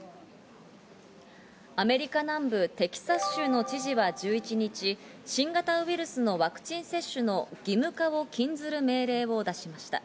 アメリカ南部テキサス州の知事は１１日、新型ウイルスのワクチン接種の義務化を禁ずる命令を出しました。